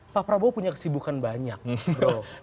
pak prabowo punya kesibukan banyak prof